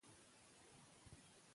که برښنا وي نو انرژي نه ورکیږي.